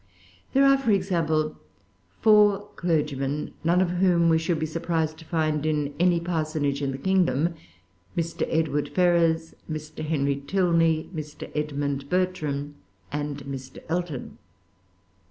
There are, for example, four clergymen, none of whom we should be surprised to find in any parsonage in the kingdom, Mr. Edward Ferrars, Mr. Henry Tilney, Mr. Edmund Bertram, and Mr. Elton.